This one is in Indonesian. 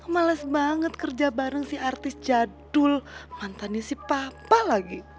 males banget kerja bareng si artis jadul mantannya si papa lagi